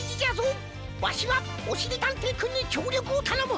わしはおしりたんていくんにきょうりょくをたのむ。